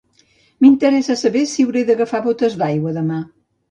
M'interessa saber si hauré d'agafar botes d'aigua demà.